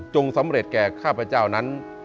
สำเร็จแก่ข้าพเจ้านั้น